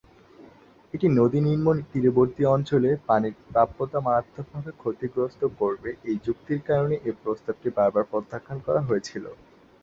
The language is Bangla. এটি নদী নিম্ন তীরবর্তী অঞ্চলে পানির প্রাপ্যতা মারাত্মকভাবে ক্ষতিগ্রস্ত করবে এই যুক্তির কারণে এই প্রস্তাবটি বারবার প্রত্যাখ্যান করা হয়েছিলো।